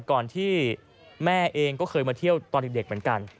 ก่อนที่แม่เองก็เคยมาเที่ยวตอนเด็กเหมือนกัน